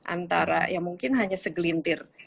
antara ya mungkin hanya segelintir